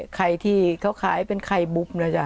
ไข่ที่เขาขายเป็นไข่บุบนะจ๊ะ